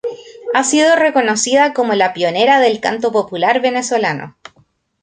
Ha sido reconocida como la pionera del canto popular venezolano.